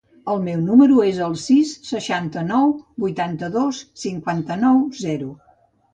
El meu número es el sis, seixanta-nou, vuitanta-dos, cinquanta-nou, zero.